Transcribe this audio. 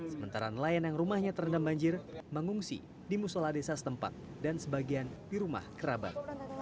sementara nelayan yang rumahnya terendam banjir mengungsi di musola desa setempat dan sebagian di rumah kerabat